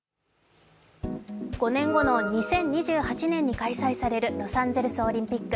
５年後の２０２８年に開催されるロサンゼルスオリンピック。